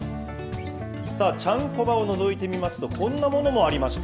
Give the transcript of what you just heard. さあ、ちゃんこ場をのぞいてみますと、こんなものもありました。